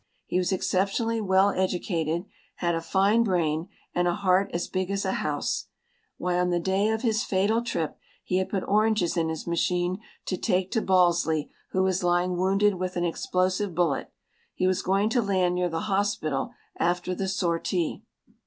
He was exceptionally well educated, had a fine brain, and a heart as big as a house. Why, on the day of his fatal trip, he had put oranges in his machine to take to Balsley who was lying wounded with an explosive bullet. He was going to land near the hospital after the sortie.